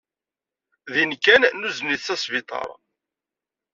Dindin kan nuzen-it s asbiṭar.